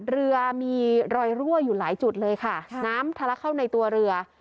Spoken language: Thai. เรือมีรอยรั่วอยู่หลายจุดเลยค่ะน้ำทะลักเข้าในตัวเรือ